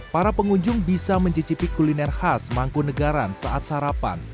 para pengunjung bisa mencicipi kuliner khas mangkunegaran saat sarapan